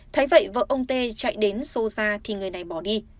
thấy vậy vợ ông tê chạy đến xô ra thì người này bỏ đi